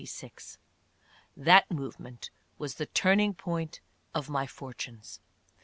That movement was the turning point of my fortunes.